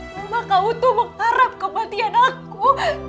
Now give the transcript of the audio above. mama kamu tuh mengharap kematian aku